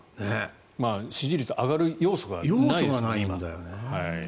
支持率上がる要素がないですからね。